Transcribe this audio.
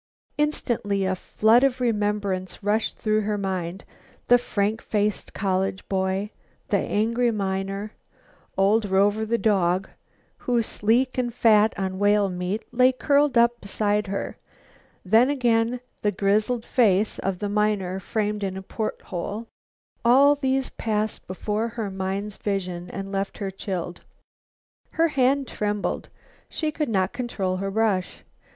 Instantly a flood of remembrance rushed through her mind; the frank faced college boy, the angry miner, old Rover, the dog, who, sleek and fat on whale meat, lay curled up beside her, then again the grizzled face of the miner framed in a port hole; all these passed before her mind's vision and left her chilled. Her hand trembled. She could not control her brush.